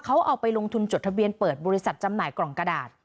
เขาเอาไปลงทุนจดทะเบียนเปิดบริษัทจำหน่ายกล่องกระดาษ